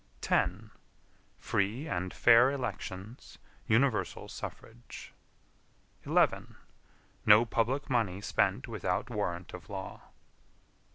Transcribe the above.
10. Free and fair elections; universal suffrage. 11. No public money spent without warrant of law.